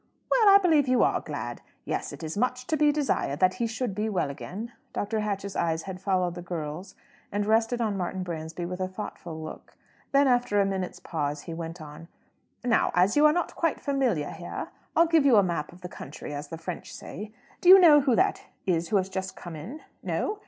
Well, I believe you are glad. Yes; it is much to be desired that he should be quite well again." Dr. Hatch's eyes had followed the girl's, and rested on Martin Bransby with a thoughtful look. Then, after a minute's pause, he went on: "Now, as you are not quite familiar here, I'll give you a map of the country, as the French say. Do you know who that is who has just come in? No?